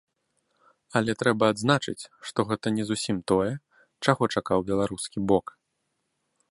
Але трэба адзначыць, што гэта не зусім тое, чаго чакаў беларускі бок.